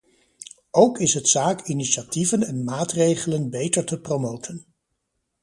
Ook is het zaak initiatieven en maatregelen beter te promoten.